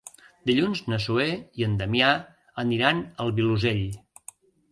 Dilluns na Zoè i en Damià aniran al Vilosell.